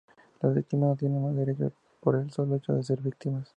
Las víctimas no tienen más derecho por el solo hecho de ser víctimas".